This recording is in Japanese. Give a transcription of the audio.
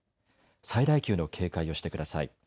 最大級の警戒をしてください。